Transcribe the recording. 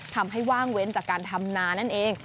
ว่างเว้นจากการทำนานั่นเอง